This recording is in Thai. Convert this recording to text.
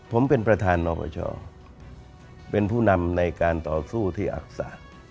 ผมเป็นประธานนปชเป็นผู้นำในการต่อสู้ที่อักษะ